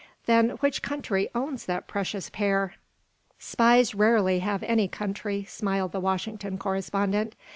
Then which country owns that precious pair?" "Spies rarely have any country," smiled the washington correspondent.